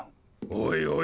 おいおい